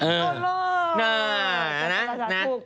ถูก